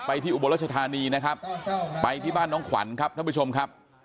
ที่อุบลรัชธานีนะครับไปที่บ้านน้องขวัญครับท่านผู้ชมครับ